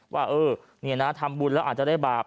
ว่าทำบุญแล้วอาจจะได้บาป